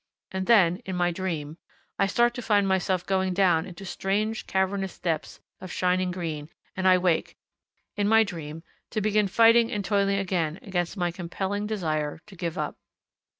And then in my dream I start to find myself going down into strange cavernous depths of shining green, and I wake in my dream to begin fighting and toiling again against my compelling desire to give up.